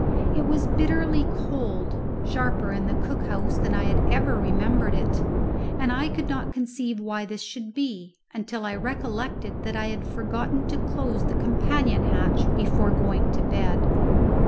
It was bitterly cold, sharper in the cook house than I had ever remembered it, and I could not conceive why this should be, until I recollected that I had forgotten to close the companion hatch before going to bed.